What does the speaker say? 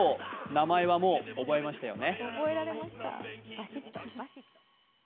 名前はもう、覚えましたよね？